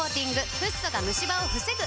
フッ素がムシ歯を防ぐ！